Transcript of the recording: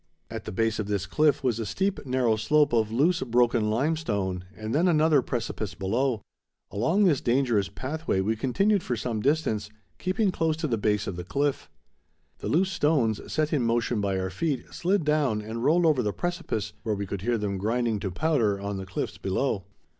At the base of this cliff was a steep, narrow slope of loose, broken limestone, and then another precipice below. Along this dangerous pathway we continued for some distance, keeping close to the base of the cliff. The loose stones, set in motion by our feet, slid down and rolled over the precipice, where we could hear them grinding to powder on the cliffs below.